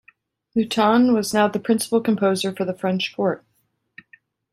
Mouton was now the principal composer for the French court.